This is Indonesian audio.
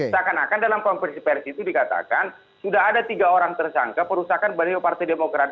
seakan akan dalam konversi pers itu dikatakan sudah ada tiga orang tersangka perusakan baliho partai demokrat